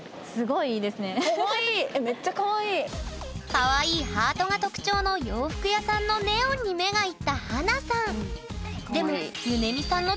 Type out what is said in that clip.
かわいいハートが特徴の洋服屋さんのネオンに目がいった華さん。